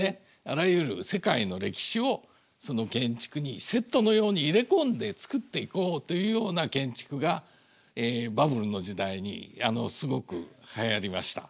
あらゆる世界の歴史をその建築にセットのように入れ込んで作っていこうというような建築がバブルの時代にすごくはやりました。